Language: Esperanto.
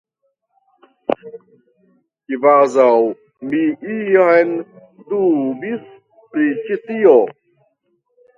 Kvazaŭ mi iam dubis pri ĉi tio!